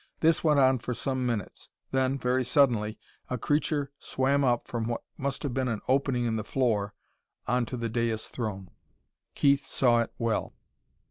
This went on for some minutes. Then, very suddenly, a creature swam up from what must have been an opening in the floor onto the dais throne. Keith saw it well.